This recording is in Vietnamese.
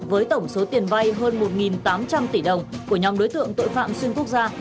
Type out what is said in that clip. với tổng số tiền vay hơn một tám trăm linh tỷ đồng của nhóm đối tượng tội phạm xuyên quốc gia